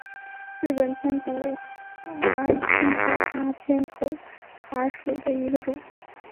日本偏口蛤是偏口蛤科偏口蛤属的一种。